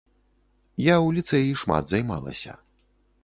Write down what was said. Я ў ліцэі шмат займалася.